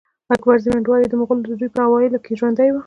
اکبر زمینداوری د مغلو د دوې په اوایلو کښي ژوندی وو.